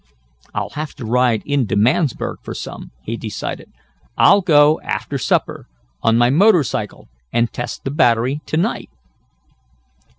"I'll have to ride in to Mansburg for some," he decided. "I'll go after supper, on my motor cycle, and test the battery to night."